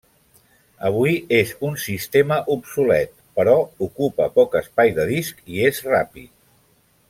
Avui és un sistema obsolet, però ocupa poc espai de disc i és ràpid.